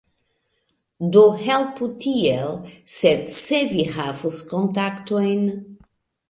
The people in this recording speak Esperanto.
Do helpu tiel, sed se vi havus kontaktojn